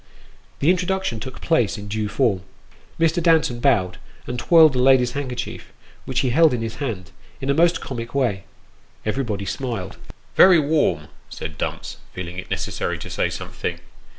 The introduction took place in due form. Mr. Danton bowed, and twirled a lady's handkerchief, which he held in his hand, in a most comic way. Everybody smiled. " Very warm," said Dumps, feeling it necessary to say something.